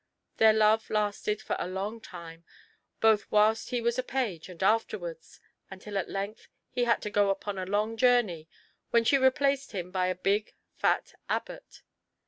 Their love lasted for a long time, both whilst he was a page and afterwards, until at length he had to go upon a long journey, when she replaced him by a big, fat abbot.